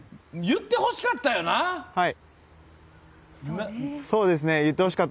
言ってほしかったです。